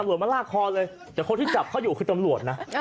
ตำรวจมาลากคอเลยแต่คนที่จับเขาอยู่คือตำรวจนะ